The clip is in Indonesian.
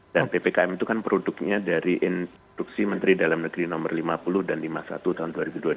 dan ppkm itu kan produknya dari instruksi menteri dalam negeri nomor lima puluh dan lima puluh satu tahun dua ribu dua puluh dua